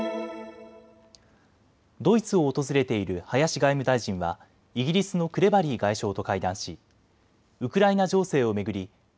ドイツを訪れている林外務大臣はイギリスのクレバリー外相と会談しウクライナ情勢を巡りＧ７